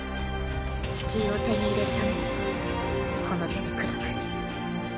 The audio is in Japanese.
地球を手に入れるためにこの手で砕く。